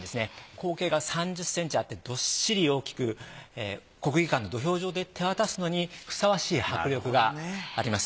口径が３０センチあってどっしり大きく国技館の土俵上で手渡すのにふさわしい迫力があります。